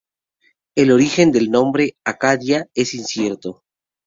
El origen del nombre "Acadia" es incierto.